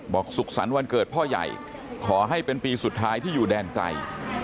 สุขสรรค์วันเกิดพ่อใหญ่ขอให้เป็นปีสุดท้ายที่อยู่แดนไกล